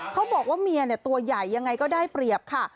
เขาบอกว่าเมียตัวใหญ่ยังไงก็ได้เปรียบค่ะ